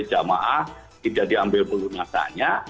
jadi jamaah tidak diambil pelunasannya